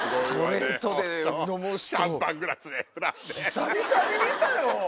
久々に見たよ！